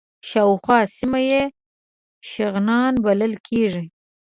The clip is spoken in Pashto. شاوخوا سیمه یې شغنان بلل کېږي.